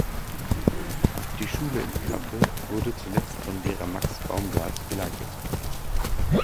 Die Schule in Kappe wurde zuletzt von Lehrer Max Baumgardt geleitet.